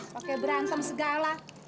pakai berantem segala